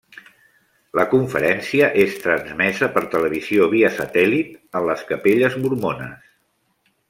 La conferència és transmesa per televisió via satèl·lit en les capelles mormones.